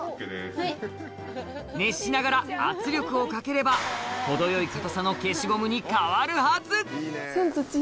熱しながら圧力をかければ、程よい硬さの消しゴムに変わるはず。